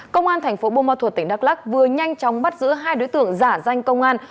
công an thành phố bô ma thuật tỉnh đắk lắc vừa nhanh chóng bắt giữ hai đối tượng giả danh công an